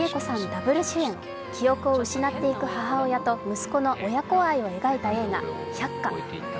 ダブル主演、記憶を失っていく母親と息子の親子愛を描いた映画「百花」。